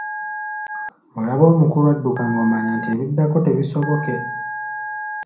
Olaba omukulu adduka ng'omanya nti ebiddako tebisoboke.